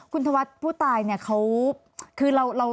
คุณธวดผู้ตายเขา